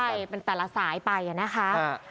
ใช่เป็นแต่ละสายไปนะคะ